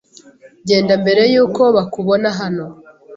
Genda mbere yuko bakubona hano.